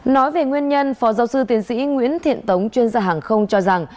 nói về nguyên nhân phó giáo sư tiến sĩ nguyễn thiện tống chuyên gia hàng không cho rằng